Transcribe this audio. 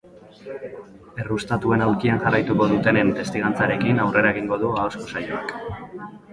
Erruztatuen aulkian jarraituko dutenen testigantzarekin aurrera egingo du ahozko saioak.